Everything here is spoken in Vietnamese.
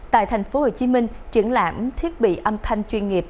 tại thành phố hồ chí minh triển lãm thiết bị âm thanh chuyên nghiệp